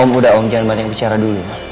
om udah om jangan banyak bicara dulu